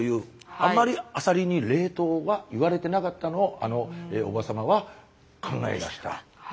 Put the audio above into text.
あまりアサリに冷凍は言われてなかったのをあのおばさまは考え出した。